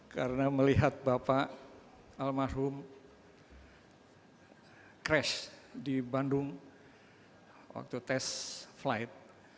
karena melihat bapak almarhum crash di bandung waktu tes flight